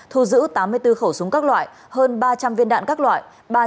thu giữ tám mươi bốn khẩu súng các loại hơn ba trăm linh viên đạn các loại